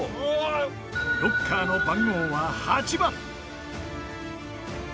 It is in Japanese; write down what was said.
ロッカーの番号は８番。